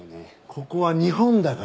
ここは日本だから。